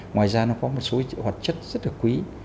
ngoài ra nó có một số hoạt chất rất là quý